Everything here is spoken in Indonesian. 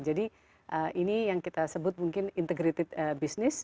jadi ini yang kita sebut mungkin integrated business